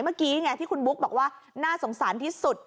เมื่อกี้ไงที่คุณบุ๊กบอกว่าน่าสงสารที่สุด